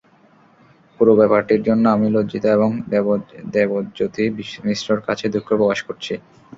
পুরো ব্যাপারটির জন্য আমি লজ্জিত এবং দেবজ্যোতি মিশ্রর কাছে দুঃখ প্রকাশ করছি।